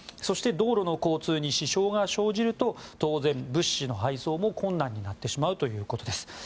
そして道路の交通に支障が生じると当然、物資の配送も困難になってしまうということです。